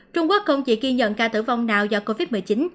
trung quốc không chỉ ghi nhận ca tử vong nào do covid một mươi chín